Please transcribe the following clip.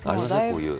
こういう。